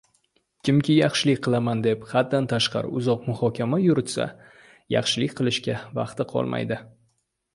Kimki yaxshilik qilaman deb haddan tashqari uzoq muhokama yuritsa, yaxshilik qilishga vaqti qolmaydi.